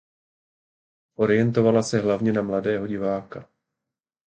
Orientovala se hlavně na mladého diváka.